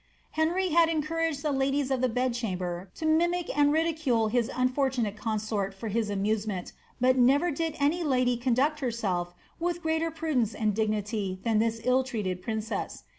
"' Henry had encouraged the ladies of the bedchamber to mimic and ridicule his unfortunate consort for his amusement, but never did any lady conduct herself with greater prudence and dignity than this ill treated princess.